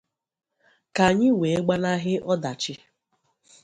ka anyị wee gbanahị ọdachi